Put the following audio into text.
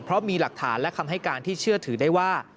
เพราะมีหลักฐานและคำให้การที่เชื่อถือได้ว่า